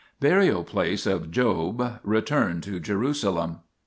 '] BURIAL PLACE OF JOB. RETURN TO JERUSALEM